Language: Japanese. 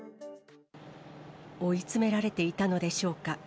追い詰められていたのでしょうか。